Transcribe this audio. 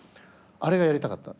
あれがやりたかった。